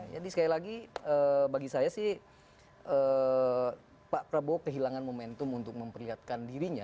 jadi sekali lagi bagi saya sih pak prabowo kehilangan momentum untuk memperlihatkan dirinya